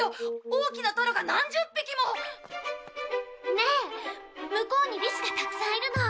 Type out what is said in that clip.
ねえ向こうにリスがたくさんいるの。